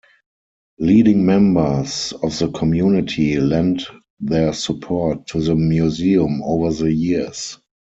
Leading members of the community lent their support to the Museum over the years.